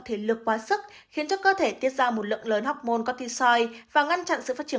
thể lực quá sức khiến cho cơ thể tiết ra một lượng lớn học môn coptisoy và ngăn chặn sự phát triển